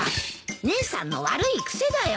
姉さんの悪い癖だよ。